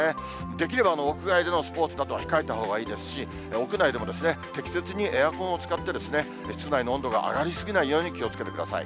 できれば屋外でのスポーツなどは控えたほうがいいですし、屋内でも適切にエアコンを使って、室内の温度が上がりすぎないように気をつけてください。